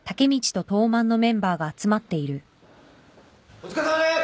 お疲れさまです！